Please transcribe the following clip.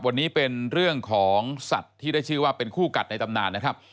วันนี้เป็นเรื่องของสัตว์ที่ได้ชื่อว่าเป็นคู่กัดในตำนานนะครับ